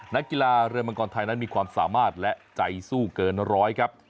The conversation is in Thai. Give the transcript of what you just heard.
นักกีฬาเรือมังกรไทยนั้นมีความสามารถและใจสู้เกินร้อยครับ